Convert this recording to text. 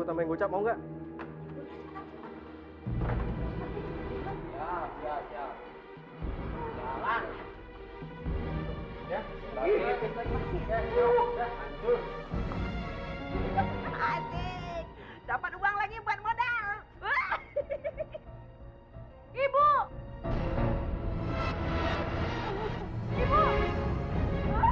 pulang saja semuanya